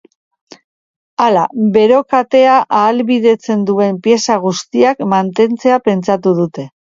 Hala, bero katea ahalbidetzen duen pieza guztiak mantentzea pentsatu dute.